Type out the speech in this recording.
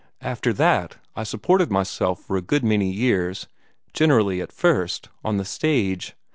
After that, I supported myself for a good many years generally, at first, on the stage.